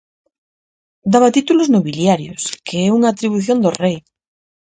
Daba títulos nobiliarios, que é unha atribución do rei.